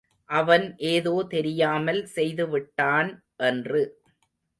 அவன் ஏதோ தெரியாமல் செய்து விட்டான் என்று.